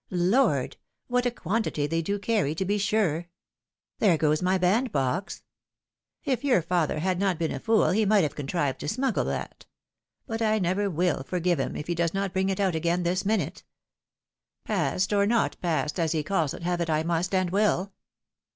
Lord! what a quantity they do carry to be sure ! There goes my bandbox. If your father had not been a fool he might have contrived to smuggle that. But I never will forgive Mm if he does not bring it out again this minute. Passed or not passed, as he calls it, have it I must and will."